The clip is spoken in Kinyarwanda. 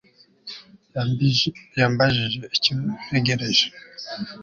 Yambajije icyo ntegereje